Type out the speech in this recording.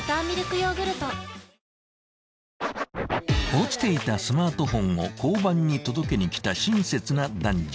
［落ちていたスマートフォンを交番に届けに来た親切な男女］